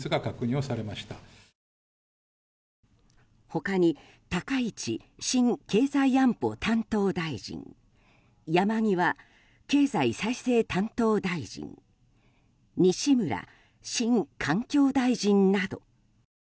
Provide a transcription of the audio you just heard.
他に高市新経済安保担当大臣山際経済再生担当大臣西村新環境大臣など。